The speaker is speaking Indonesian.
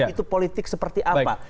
itu politik seperti apa